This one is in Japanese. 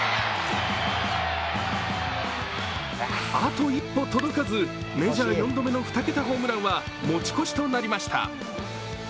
あと一歩届かず、メジャー四度目の２桁ホームランは持ち越しとなりました。